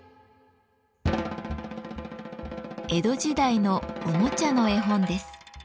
江戸時代のおもちゃの絵本です。